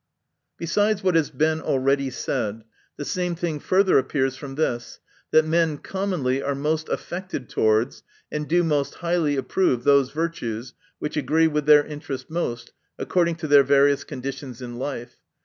Besides what has been already said, the same thing further appears from this ; that men commonly are most affected towards, and do most highly ap prove, those virtues which agree with their interest most, according to their va rious conditions in life.